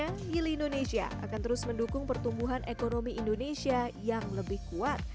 sehingga yili indonesia harus mendukung pertumbuhan ekonomi indonesia yang lebih kuat